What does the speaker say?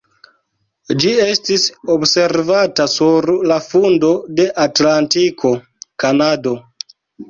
Ĝi estis observata sur la fundo de Atlantiko (Kanado).